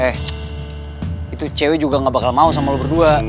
eh itu cewek juga gak bakal mau sama lo berdua